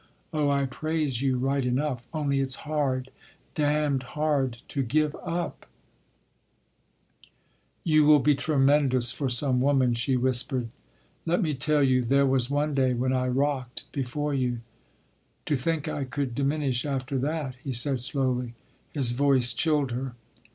Oh, I praise you right enough—only it’s hard, damned hard, to give up—" "You will be tremendous for some woman," she whispered. "Let me tell you—there was one day when I rocked before you—" "To think I could diminish after that," he said slowly. His voice chilled her.